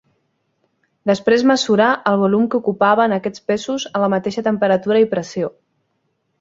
Després mesurà el volum que ocupaven aquests pesos a la mateixa temperatura i pressió.